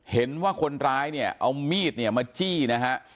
เห็นว่าคนร้ายเนี่ยเอามีดเนี่ยมาจี้นะฮะ